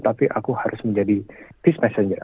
tapi aku harus menjadi peace messenger